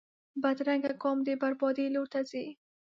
بدرنګه ګام د بربادۍ لور ته ځي